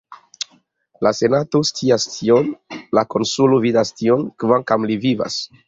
La senato scias tion, la konsulo vidas tion, kvankam li vivas!